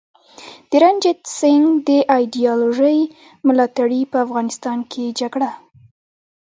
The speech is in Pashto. د رنجیت سینګ د ایډیالوژۍ ملاتړي په افغانستان کي جګړه